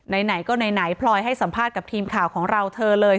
ไหนก็ไหนพลอยให้สัมภาษณ์กับทีมข่าวของเราเธอเลย